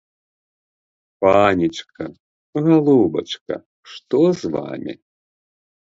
Панечка, галубачка, што з вамі?